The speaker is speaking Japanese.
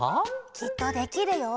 きっとできるよ。